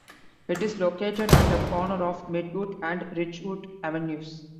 It is located at the corner of Midwood and Ridgewood Avenues.